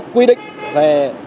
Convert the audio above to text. quy định về